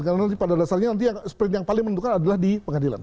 karena pada dasarnya sprint yang paling menentukan adalah di pengadilan